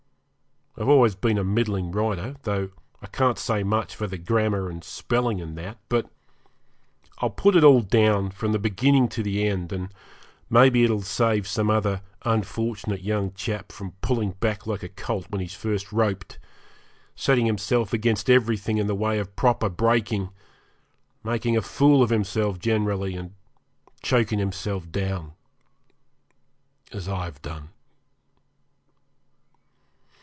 I've always been a middling writer, tho' I can't say much for the grammar, and spelling, and that, but I'll put it all down, from the beginning to the end, and maybe it'll save some other unfortunate young chap from pulling back like a colt when he's first roped, setting himself against everything in the way of proper breaking, making a fool of himself generally, and choking himself down, as I've done.